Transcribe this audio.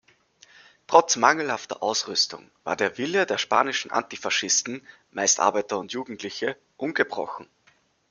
Trotz mangelhafter Ausrüstung war der Wille der spanischen Antifaschisten, meist Arbeiter und Jugendliche, ungebrochen.